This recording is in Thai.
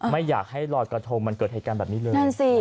ไม่อยากให้ลอยกระทงมันเกิดเหตุการณ์แบบนี้เลย